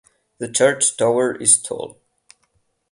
The church tower is tall.